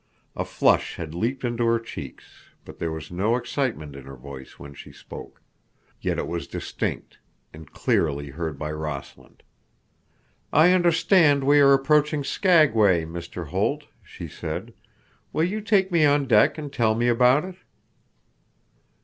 A flush had leaped into her cheeks, but there was no excitement in her voice when she spoke. Yet it was distinct, and clearly heard by Rossland. "I understand we are approaching Skagway, Mr. Holt," she said. "Will you take me on deck, and tell me about it?"